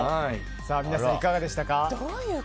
皆さん、いかがでしたか？